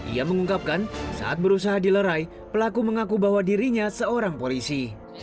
ia mengungkapkan saat berusaha dilerai pelaku mengaku bahwa dirinya seorang polisi